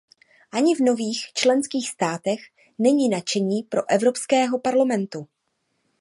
Ani v nových členských státech není nadšení pro Evropského parlamentu.